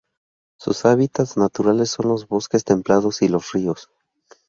Sus hábitats naturales son los bosques templados y los ríos.